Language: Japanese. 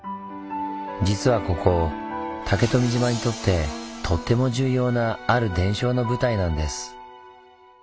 実はここ竹富島にとってとっても重要なある伝承の舞台なんです。